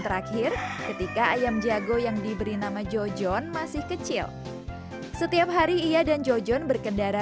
terakhir ketika ayam jago yang diberi nama jojon masih kecil setiap hari ia dan jojon berkendara